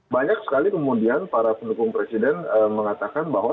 banyak sekali kemudian para pendukung presiden mengatakan bahwa